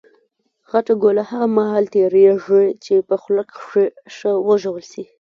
غټه ګوله هغه مهال تېرېږي، چي په خوله کښي ښه وژول سي.